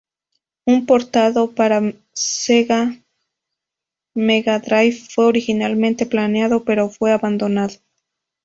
Un portado para Sega Mega Drive fue originalmente planeado, pero fue abandonado